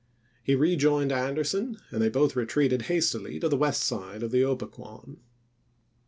He rejoined Anderson and they both retreated hastily to the west side of the Gpequon.